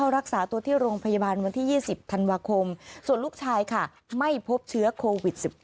รักษาตัวที่โรงพยาบาลวันที่๒๐ธันวาคมส่วนลูกชายค่ะไม่พบเชื้อโควิด๑๙